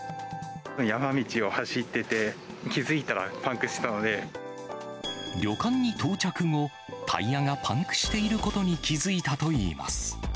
山道を走ってて、気付いたら旅館に到着後、タイヤがパンクしていることに気付いたといいます。